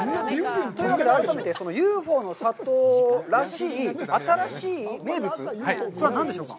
というわけで、改めて、そのＵＦＯの里らしい新しい名物、それは何でしょうか。